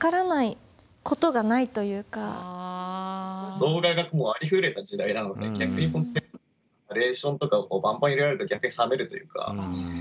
動画がもうありふれた時代なので逆にコンテンツとかナレーションとかをバンバン入れられると逆に冷めるというか。